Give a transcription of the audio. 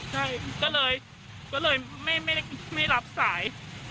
ใช่ก็เลยไม่รับสาย